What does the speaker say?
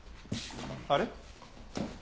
あれ？